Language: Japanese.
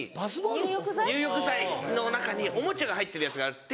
入浴剤の中におもちゃが入ってるやつがあって。